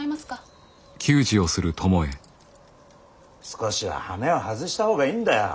少しはハメを外した方がいいんだよ。